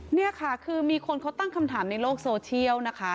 นี่ค่ะคือมีคนเขาตั้งคำถามในโลกโซเชียลนะคะ